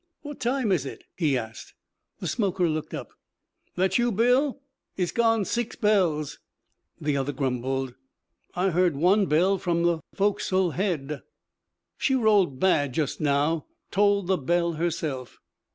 'What time is it?' he asked. The smoker looked up. 'That you, Bill? It's gone six bells.' The other grumbled. 'I heard one bell from the fo'c's'le head.' 'She rolled bad just now. Tolled the bell herself.'